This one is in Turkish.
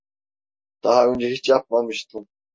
Daha önce hiç yapmamıştım.